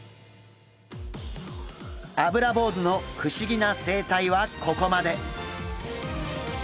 アブラボウズの不思議な生態はここまで。